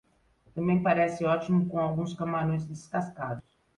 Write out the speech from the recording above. Também parece ótimo com alguns camarões descascados.